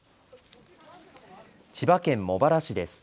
千葉県茂原市です。